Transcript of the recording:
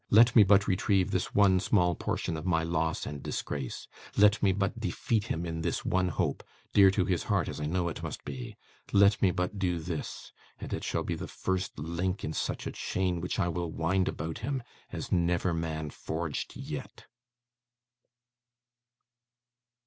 Let me but retrieve this one small portion of my loss and disgrace; let me but defeat him in this one hope, dear to his heart as I know it must be; let me but do this; and it shall be the first link in such a chain which I will wind about him, as never man forged yet.